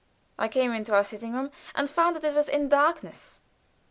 I came into our sitting room, and found it in darkness.